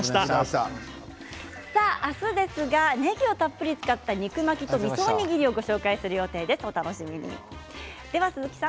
明日はねぎをたっぷり使った肉巻きとみそおにぎりをご紹介する予定です。